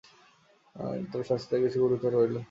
তবে শাস্তিটা কিছু গুরুতর হইল।